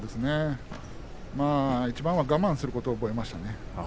いちばんは我慢することを覚えました。